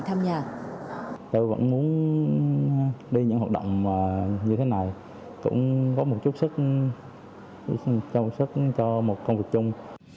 tôi vẫn muốn đi những hội động như thế này cũng có một chút sức cho một công việc chung